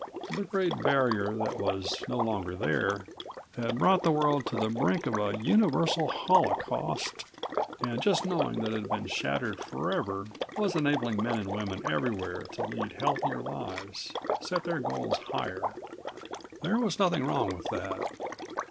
The great barrier that was no longer there had brought the world to the brink of a universal holocaust, and just knowing that it had been shattered forever was enabling men and women everywhere to lead healthier lives, set their goals higher. There was nothing wrong with that.